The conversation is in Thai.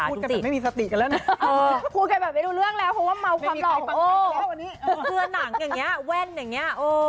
พูดกันแบบไม่มีสติกันแล้วนะ